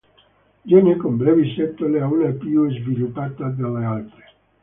Gene con brevi setole e una più sviluppata delle altre.